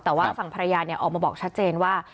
แต่ว่าฝั่งภรรยาออกมาบอกชัดเจนว่า